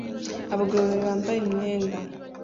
Abagabo babiri bambaye imyenda